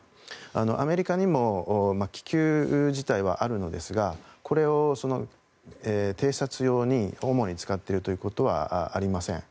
アメリカにも気球自体はあるのですがこれを偵察用に主に使っているということはありません。